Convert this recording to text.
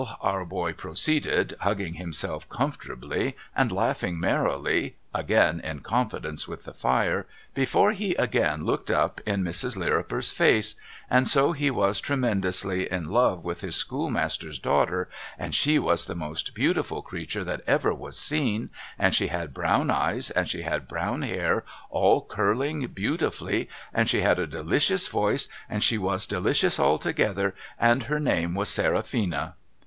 our boy proceeded, hugging himself comfortably, and laughing merrily (again in confidence with the fire), before he again looked up in Mrs. Lirriper's face, ' and so he was tremendously in love with his schoolmaster's daughter, and she was the most beautiful creature that ever was seen, and she had brown eyes, and she had brown hair all curling beautifully, and she had a delicious voice, and she was delicious altogether, and her name was Seraphina.'